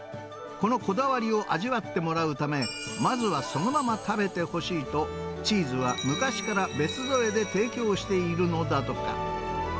このこだわりを味わってもらうため、まずはそのまま食べてほしいと、チーズは昔から別添えで提供しているのだとか。